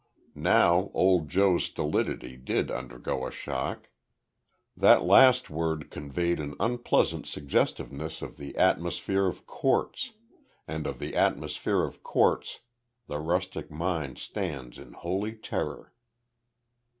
Now old Joe's stolidity did undergo a shock. That last word conveyed an unpleasant suggestiveness of the atmosphere of courts, and of the atmosphere of courts the rustic mind stands in holy terror.